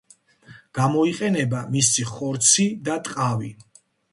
გამოიყენება მისი ხორცი და ტყავი.